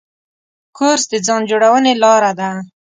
کورس د ځان جوړونې لاره ده.